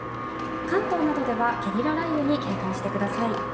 関東などではゲリラ雷雨に警戒してください。